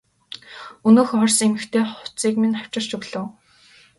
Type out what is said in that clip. Өнөөх орос эмэгтэй хувцсыг минь авчирч өглөө.